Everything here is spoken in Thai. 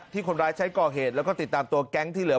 คนร้ายใช้ก่อเหตุแล้วก็ติดตามตัวแก๊งที่เหลือ